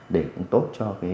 để cũng tốt cho mắt